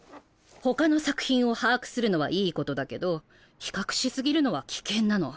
ほかの作品を把握するのはいいことだけど比較し過ぎるのは危険なの。